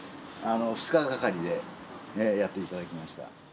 ２日がかりでやっていただきました。